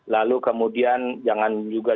lalu kemudian jangan juga